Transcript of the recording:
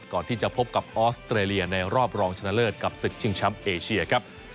ก่อนที่จะพบกับออสเตรเลียในรอบรองชนะเลิศกับศึกชิงแชมป์เอเชียครับ